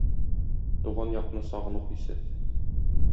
Туган якны сагыну хисе